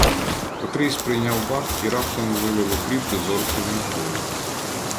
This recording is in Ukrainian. Котрийсь прийняв бак і раптом вилив окріп дозорцеві на голову.